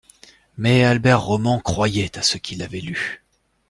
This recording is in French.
Mais Albert Roman croyait à ce qu’il avait lu